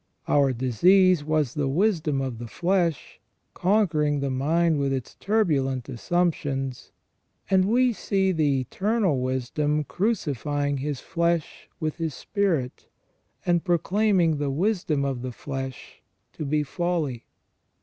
Our disease was the wisdom of the flesh, conquering the mind with its turbulent assumptions, and we see the Eternal Wisdom crucifying His flesh with His spirit, and proclaiming the wisdom of the flesh to be folly.